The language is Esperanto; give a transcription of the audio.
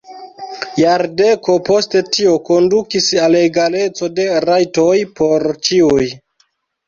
Jardeko poste tio kondukis al egaleco de rajtoj por ĉiuj.